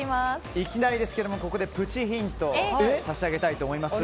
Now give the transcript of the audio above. いきなりですがここでプチヒントを差し上げたいと思います。